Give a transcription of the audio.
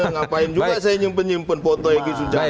ngapain juga saya nyimpen nyimpen foto egy sujana